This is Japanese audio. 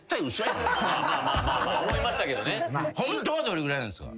ホントはどれぐらいなんですか？